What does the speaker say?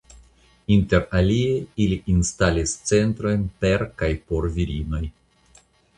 Interalie ili instalis centrojn per kaj por virinoj.